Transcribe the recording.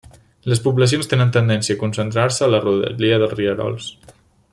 Les poblacions tenen tendència a concentrar-se a la rodalia dels rierols.